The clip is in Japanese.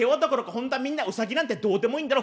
本当はみんなウサギなんてどうでもいいんだろ？